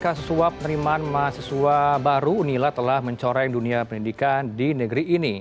kasus suap penerimaan mahasiswa baru unila telah mencoreng dunia pendidikan di negeri ini